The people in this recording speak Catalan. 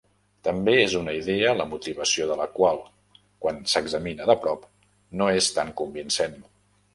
També és una idea la motivació de la qual, quan s'examina de prop, no és tan convincent.